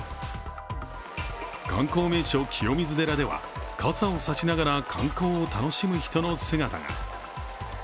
観光名所・清水寺では、傘を差しながら観光を楽しむ人の姿が。